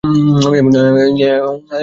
এমন শয়তা করা কেন?